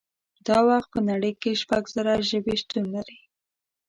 دا وخت په نړۍ کې شپږ زره ژبې شتون لري